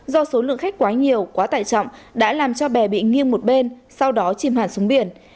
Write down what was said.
do số lượng khách quá nhiều quá tải trọng đã làm cho bè bị nghiêng một bên sau đó chim hàn xuống biển